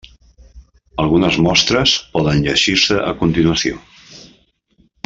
Algunes mostres poden llegir-se a continuació.